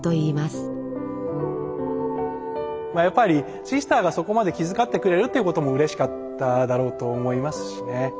やっぱりシスターがそこまで気遣ってくれるっていうこともうれしかっただろうと思いますしね。